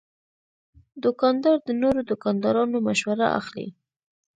دوکاندار د نورو دوکاندارانو مشوره اخلي.